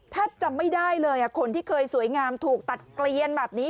แทบจำไม่ได้เลยคนที่เคยสวยงามถูกตัดเกลียนแบบนี้